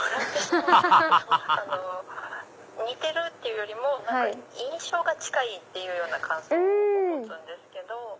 ハハハハ似てるっていうよりも印象が近いっていうような感想を持つんですけど。